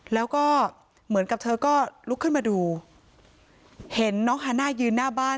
แล้วก็เหมือนกับเธอก็ลุกขึ้นมาดูเห็นน้องฮาน่ายืนหน้าบ้าน